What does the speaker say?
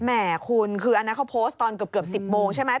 แห่คุณคืออันนั้นเขาโพสต์ตอนเกือบ๑๐โมงใช่ไหม